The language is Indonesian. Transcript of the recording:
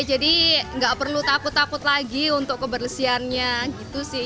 jadi nggak perlu takut takut lagi untuk kebersihannya gitu sih